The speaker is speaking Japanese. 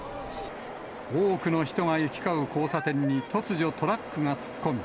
多くの人が行き交う交差点に突如、トラックが突っ込み。